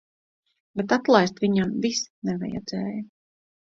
Bet atlaist viņam vis nevajadzēja.